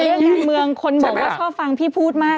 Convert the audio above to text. เรื่องการเมืองคนบอกว่าชอบฟังพี่พูดมาก